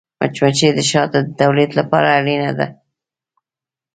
مچمچۍ د شاتو د تولید لپاره اړینه ده